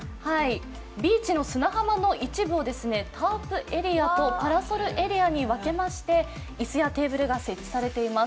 ビーチの砂浜の一部をタープエリアとパラソルエリアに分けまして椅子やテーブルが設置されています。